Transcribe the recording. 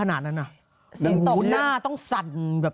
เสียงตบหน้าต้องสั่น